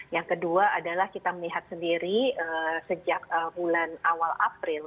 yang kedua adalah kita melihat sendiri sejak bulan awal april